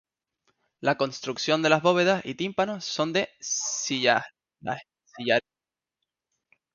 La construcción de las bóvedas y tímpanos son de sillarejo.